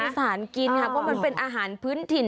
สารกินค่ะเพราะมันเป็นอาหารพื้นถิ่น